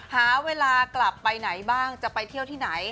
หาเวลากลับไปไหนบ้างจะไปเที่ยวที่ไหน